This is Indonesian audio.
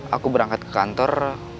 aku berangkat ke kantor